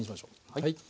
はい。